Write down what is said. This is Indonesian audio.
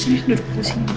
saya duduk dulu sini mak